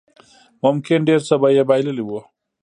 ممکن ډېر څه به يې بايللي وو.